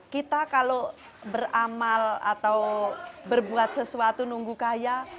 kita kalau beramal atau berbuat sesuatu nunggu kaya